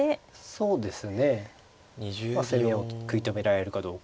そうですねまあ攻めを食い止められるかどうか。